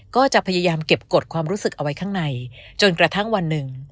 ก็จะพยายามเก็บกฎความรู้สึกเอาไว้ข้างในจนกระทั่งวันหนึ่ง